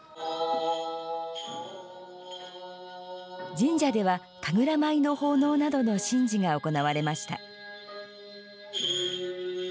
神社では神楽舞の奉納などの神事が行われました。